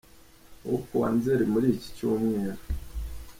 Wo ku wa nzeri muri iki cyumweru